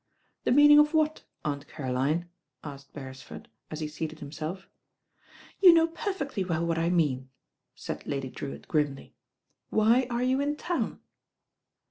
"The meaning of what. Aunt Caroline?" asked Beresford, as he seated himself. "You know perfectly well what I mean," .aid 99 100 THE RAIN GIRL Lady Drcwitt grimly. "Why arc you in town?"